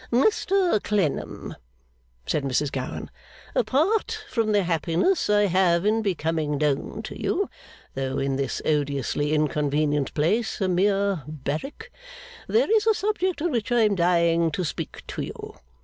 'Mr Clennam,' said Mrs Gowan, 'apart from the happiness I have in becoming known to you, though in this odiously inconvenient place a mere barrack there is a subject on which I am dying to speak to you.